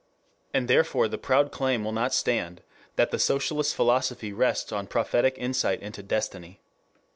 And therefore the proud claim will not stand that the socialist philosophy rests on prophetic insight into destiny.